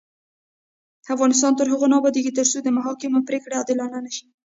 افغانستان تر هغو نه ابادیږي، ترڅو د محاکمو پریکړې عادلانه نشي.